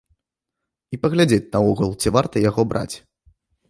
І паглядзець наогул, ці варта яго браць.